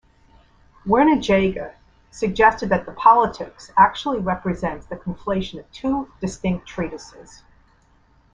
Werner Jaeger suggested that the "Politics" actually represents the conflation of two, distinct treatises.